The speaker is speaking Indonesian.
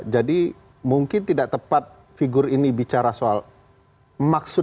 jadi mungkin tidak tepat figur ini bicara soal maksud